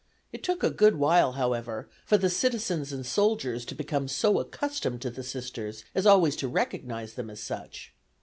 It took a good while, however, for the citizens and soldiers to become so accustomed to the Sisters as always to recognize them as such.